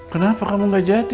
kenapa kamu nggak jadi